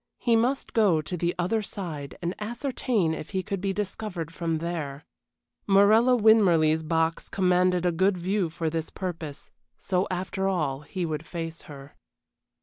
He must go to the other side and ascertain if she could be discovered from there. Morella Winmarleigh's box commanded a good view for this purpose, so after all he would face her.